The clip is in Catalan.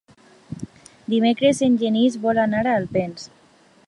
Dimecres en Genís vol anar a Alpens.